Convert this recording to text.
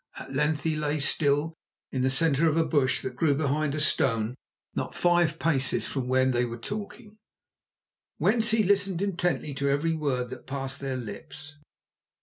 At length he lay still in the centre of a bush that grew behind a stone not five paces from where they were talking, whence he listened intently to every word that passed their lips.